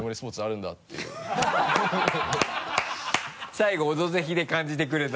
最後「オドぜひ」で感じてくれた？